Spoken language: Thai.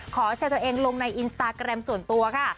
แซวตัวเองลงในอินสตาแกรมส่วนตัวค่ะ